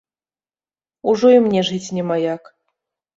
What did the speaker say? Ужо і мне жыць няма як!